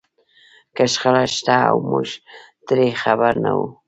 که شخړه شته او موږ ترې خبر نه وو.